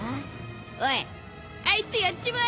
おいあいつやっちまえ。